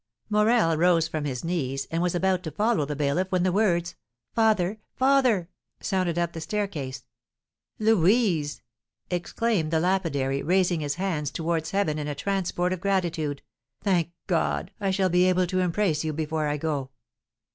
Morel rose from his knees and was about to follow the bailiff, when the words, "Father! father!" sounded up the staircase. "Louise!" exclaimed the lapidary, raising his hands towards heaven in a transport of gratitude; "thank God I shall be able to embrace you before I go!"